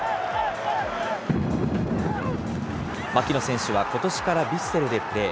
槙野選手はことしからヴィッセルでプレー。